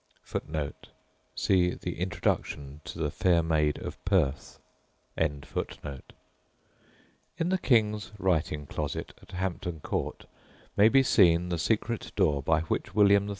[Footnote 1: Vide Introduction to The Fair Maid of Perth] In the King's writing closet at Hampton Court may be seen the "secret door" by which William III.